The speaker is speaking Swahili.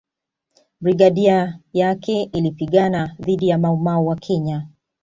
Brigadia yake ilipigana dhidi ya Mau Mau wa Kenya